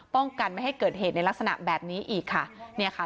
ป้องกันไม่ให้เกิดเหตุในลักษณะแบบนี้อีกค่ะเนี่ยค่ะ